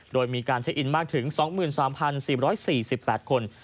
โดยมีการเช็คอินมากถึง๒๓๔๔๘คน